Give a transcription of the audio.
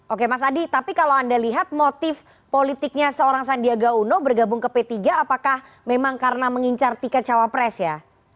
oke mas adi tapi kalau anda lihat motif politiknya seorang sandiaga uno bergabung ke p tiga apakah memang karena mengincar tiket cawapres ya